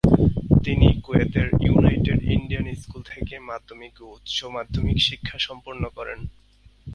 তিনি কুয়েতের United Indian School থেকে মাধ্যমিক ও উচ্চ মাধ্যমিক শিক্ষা সম্পন্ন করেন।